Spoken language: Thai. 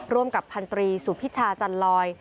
ร่วมกับพันธรีสุพิชาจันลอย